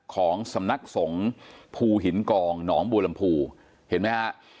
ของสำนักสงฆ์ภูหินกองหนองบัวลำพูเห็นไหมฮะ